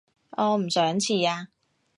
我唔想遲啊